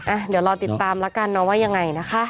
อ่ะเดี๋ยวรอติดตามแล้วกันนะว่ายังไงนะคะ